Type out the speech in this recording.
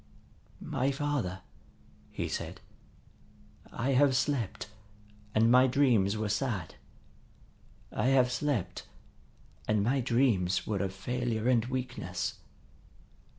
"My father," he said, "I have slept, and my dreams were sad. I have slept, and my dreams were of failure and weakness.